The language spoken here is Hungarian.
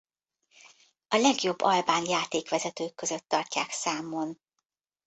A legjobb albán játékvezetők között tartják számon.